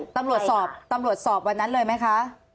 ตำรวจสอบตำรวจสอบวันนั้นเลยไหมคะ